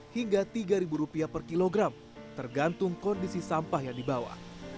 hingga rp tiga per kilogram tergantung kondisi sampah yang dibawa